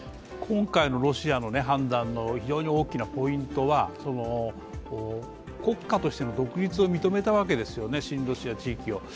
今回のロシアの判断の非常に大きなポイントは国家としての独立を認めたわけですよね、親ロシア派地域を。